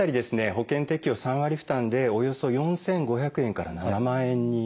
保険適用３割負担でおよそ４，５００円から７万円になってます。